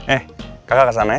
eh kakak kesana ya